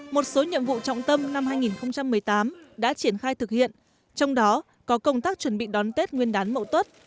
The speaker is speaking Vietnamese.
một số nhiệm vụ trọng tâm năm hai nghìn một mươi tám đã triển khai thực hiện trong đó có công tác chuẩn bị đón tết nguyên đán mậu tuất